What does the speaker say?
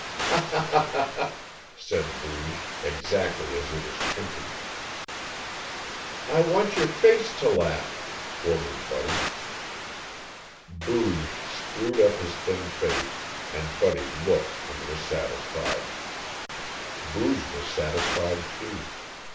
"Ha, ha! Ha, ha, ha!" said Booge, exactly as it is printed. "I want your face to laugh!" ordered Buddy. Booge screwed up his thin face, and Buddy looked and was satisfied. Booge was satisfied, too.